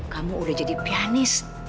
kamu udah jadi pianis